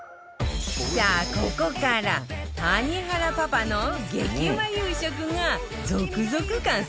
さあここから谷原パパの激うま夕食が続々完成していくわよ